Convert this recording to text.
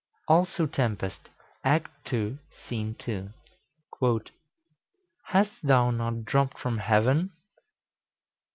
Also "Tempest," Act 2, Scene 2: "Cal. Hast thou not dropt from heaven?